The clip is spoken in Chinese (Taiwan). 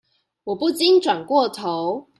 我不禁轉過頭